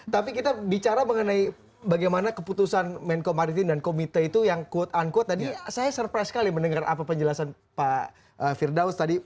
tapi kita bicara mengenai bagaimana keputusan menko maritim dan komite itu yang quote unquote tadi saya surprise sekali mendengar apa penjelasan pak firdaus tadi